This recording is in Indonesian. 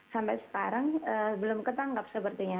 sampai sekarang belum ketangkap sepertinya